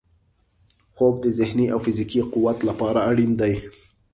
خوب د ذهني او فزیکي قوت لپاره اړین دی